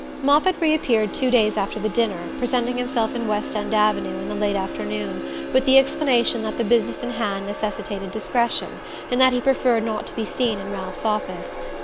Moffatt reappeared two days after the dinner, presenting himself in West End Avenue in the late afternoon with the explanation that the business in hand necessitated discretion, and that he preferred not to be seen in Ralph's office.